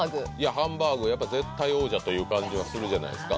ハンバーグはやっぱ絶対王者という感じはするじゃないですか